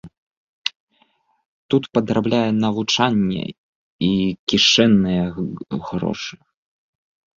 Тут падрабляе на навучанне і кішэнныя грошы.